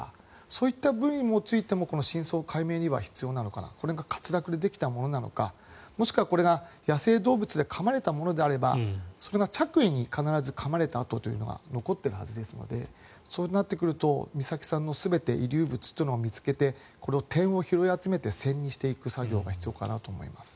そういう部位についてもこの真相解明には必要なのかなとこれが滑落でできたものなのかもしくはこれが野生動物にかまれたものであればそれが着衣にかまれた跡というのが必ず残っているはずですのでそうなってくると美咲さんの全て遺留物というのを見つけてこれを点を拾い集めて線にしていく作業が必要かなと思います。